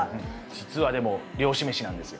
実は、でも漁師飯なんですよ。